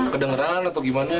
kedengeran atau gimana